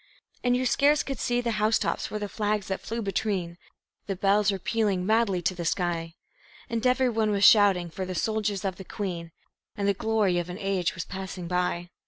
And you scarce could see the house tops for the flags that flew between; The bells were pealing madly to the sky; And everyone was shouting for the Soldiers of the Queen, And the glory of an age was passing by.